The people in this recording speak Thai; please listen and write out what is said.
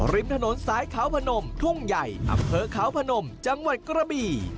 ริมถนนสายขาวพนมทุ่งใหญ่อำเภอขาวพนมจังหวัดกระบี่